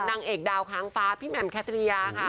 นางเอกดาวค้างฟ้าพี่แหม่มแคสริยาค่ะ